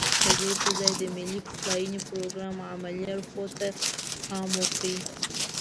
ددې پرځای د ملي پخلاينې پروګرام عملي اړخونو ته پام وکړي.